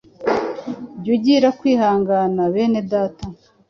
Jya ugira kwihangana Bene data,